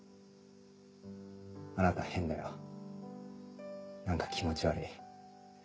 「あなた変だよ何か気持ち悪い」。